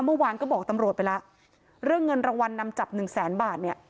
เมื่อวานก็บอกตำรวจไปแล้วเรื่องเงินรางวัลนำจับหนึ่งแสนบาทเนี่ย